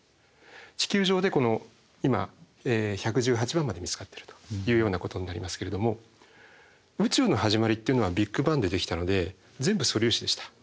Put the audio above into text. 地球上で今１１８番まで見つかってるというようなことになりますけれども宇宙の始まりっていうのはビッグバンでできたので全部素粒子でした。